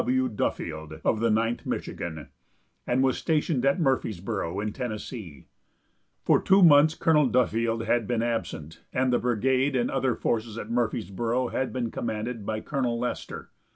W. W. Duffield of the Ninth Michigan, and was stationed at Murfeesboro, in Tennessee. For two months Colonel Duffield had been absent, and the brigade and other forces at Murfreesboro had been commanded by Colonel Lester.